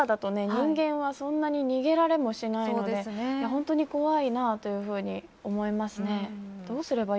人間はそんなに逃げられもしないので本当に怖いなというふうに思いますね。